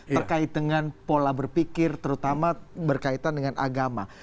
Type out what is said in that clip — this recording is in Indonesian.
terkait dengan pola berpikir terutama berkaitan dengan agama